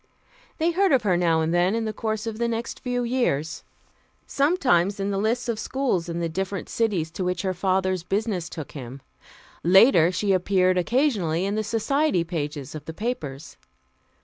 They heard of her now and then in the course of the next few years sometimes in the lists of schools in the different cities to which her father's business took him; later, she appeared occasionally in the society pages of the papers.